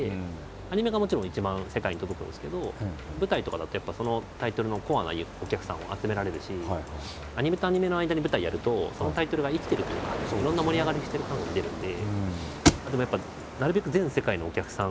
アニメがもちろん一番世界に届くんですけど舞台とかだとやっぱそのタイトルのコアなお客さんを集められるしアニメとアニメの間に舞台やるとそのタイトルが生きてるというかいろんな盛り上がりしてる感が出るんで。